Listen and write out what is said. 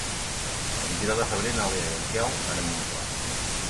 El vint-i-nou de febrer na Lea i en Quel van a Montclar.